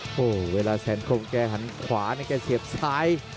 โอ้โหเวลาแสนคงแกหันขวาเนี่ยแกเสียบซ้าย